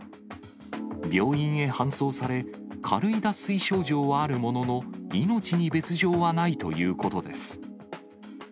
病院へ搬送され、軽い脱水症状はあるものの、命に別状はないということです。